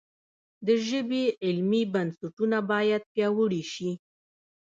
د ژبې علمي بنسټونه باید پیاوړي شي.